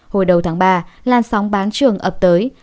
hồi đầu tháng ba làn sóng bán trường ập tới